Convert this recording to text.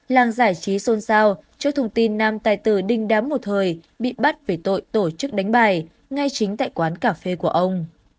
làng giải trí xôn xao trước thông tin nam tài tử đinh đám một thời bị bắt về tội tổ chức đánh bài ngay chính tại quán cà phê của ông